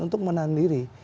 untuk menahan diri